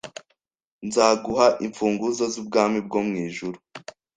Nzaguha imfunguzo z ubwami bwo mu ijuru